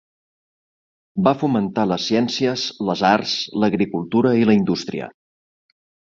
Va fomentar les ciències, les arts, l'agricultura i la indústria.